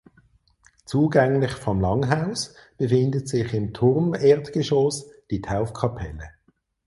Zugänglich vom Langhaus befindet sich im Turmerdgeschoß die Taufkapelle.